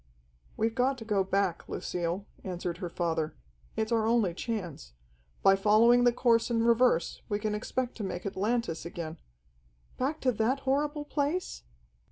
"We've got to go back, Lucille," answered her father. "It's our only chance. By following the course in reverse we can expect to make Atlantis again " "Back to that horrible place?"